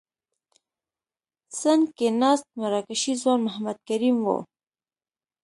څنګ کې ناست مراکشي ځوان محمد کریم وو.